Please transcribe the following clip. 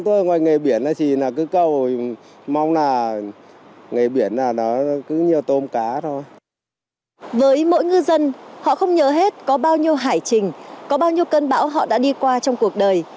với mỗi ngư dân họ không nhớ hết có bao nhiêu hải trình có bao nhiêu cơn bão họ đã đi qua trong cuộc đời